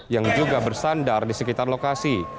yang juga bersandar di sekitar lokasi